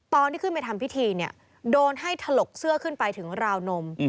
ตอนที่ขึ้นไปทำพิธีเนี่ยโดนให้ถลกเสื้อขึ้นไปถึงราวนม